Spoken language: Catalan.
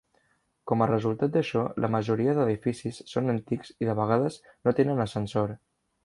Com a resultat d'això, la majoria d'edificis són antics i de vegades no tenen ascensor.